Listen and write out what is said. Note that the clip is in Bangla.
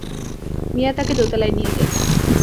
মিয়া তাঁকে দোতলায় নিয়ে গেলেন।